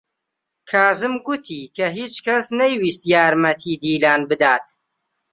کازم گوتی کە هیچ کەس نەیویست یارمەتیی دیلان بدات.